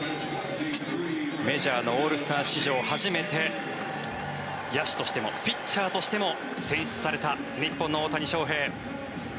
メジャーのオールスター史上初めて野手としてもピッチャーとしても選出された日本の大谷翔平。